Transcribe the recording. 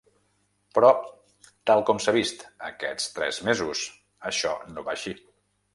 Però, tal com s’ha vist aquests tres mesos, això no va així.